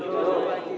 setuju pak gaji